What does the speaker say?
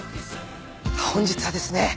本日はですね